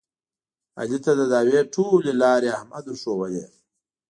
علي ته د دعوې ټولې لارې احمد ورښودلې.